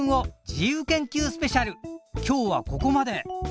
今日はここまで。